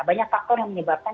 banyak faktor yang menyebabkan